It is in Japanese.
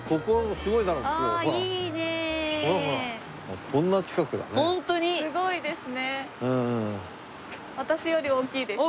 すごいですね。